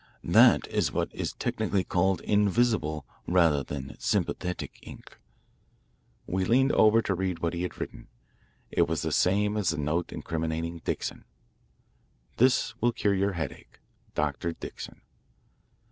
That is what is technically called invisible rather than sympathetic ink." We leaned over to read what he had written. It was the same as the note incriminating Dixon: This will cure your headache. Dr. DIXON.